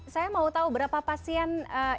saya mau tahu berapa pasien